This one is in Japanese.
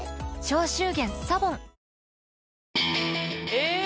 え！